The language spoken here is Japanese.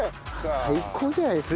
最高じゃないですか。